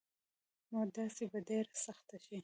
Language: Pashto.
نو داسي به ډيره سخته شي